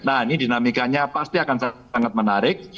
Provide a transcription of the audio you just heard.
nah ini dinamikanya pasti akan sangat menarik